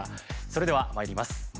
それではまいります。